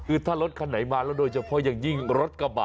คือถ้ารถคันไหนมาแล้วโดยเฉพาะอย่างยิ่งรถกระบะ